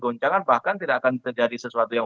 goncangan bahkan tidak akan terjadi sesuatu yang